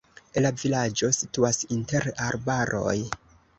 La vilaĝo situas inter arbaroj.